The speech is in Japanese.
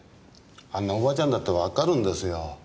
あんなおばあちゃんだってわかるんですよ。